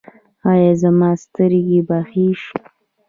ایا زما سترګې به ښې شي؟